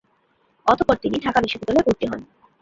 অতঃপর তিনি ঢাকা বিশ্ববিদ্যালয়ে ভর্তি হন।